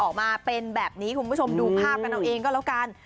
ออกมาเป็นแบบนี้คุณผู้ชมดูภาพกันเอาเองก็แล้วกัน